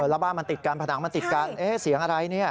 แล้วบ้านมันติดกันผนังมันติดกันเสียงอะไรเนี่ย